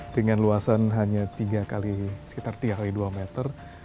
dengan luasan hanya sekitar tiga x dua meter